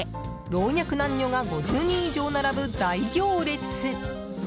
老若男女が５０人以上並ぶ大行列！